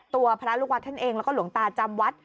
พระลูกวัดท่านเองแล้วก็หลวงตาจำวัด